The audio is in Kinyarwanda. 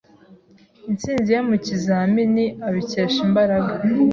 Intsinzi ye mu kizamini abikesha imbaraga.